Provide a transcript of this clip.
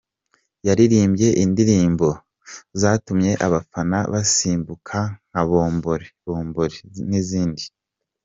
Yaririmbye indirimbo zatumye abafana basimbuka nka ’Bombori Bombori’ n’izindi.